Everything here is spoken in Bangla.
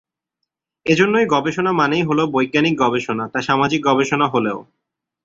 এজন্যই গবেষণা মানেই হলো বৈজ্ঞানিক গবেষণা, তা সামাজিক গবেষণা হলেও।